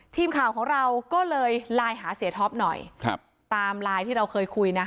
ทีมข่าวของเราก็เลยไลน์หาเสียท็อปหน่อยครับตามไลน์ที่เราเคยคุยนะคะ